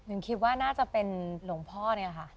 ยังคิดว่าน่าจะเป็นหลวงพ่อนี่แหละค่ะ